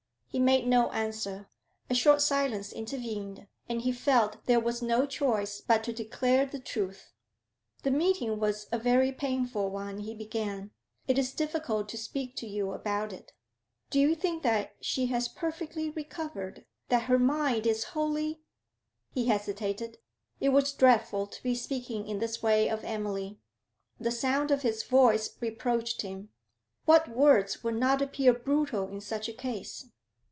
He made no answer. A short silence intervened, and he felt there was no choice but to declare the truth. 'The meeting was a very painful one,' he began. 'It is difficult to speak to you about it. Do you think that she has perfectly recovered? that her mind is wholly ' He hesitated; it was dreadful to be speaking in this way of Emily. The sound of his voice reproached him; what words would not appear brutal in such a case?